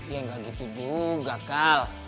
ya gak gitu juga kal